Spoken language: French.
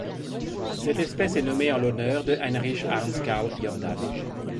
Cette espèce est nommée en l'honneur de Heinrich Ernst Karl Jordan.